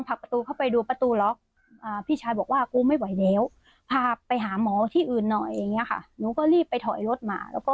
พาพี่ชายไปหาหมอ